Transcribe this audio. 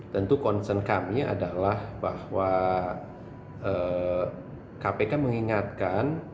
tentu concern kami adalah bahwa kpk mengingatkan